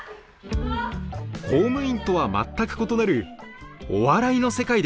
公務員とは全く異なるお笑いの世界でした。